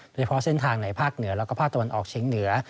โดยเฉพาะเส้นทางในภาคเหนือแล้วก็ภาคตะวันออกเชียงเหนือ